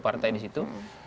partai di situ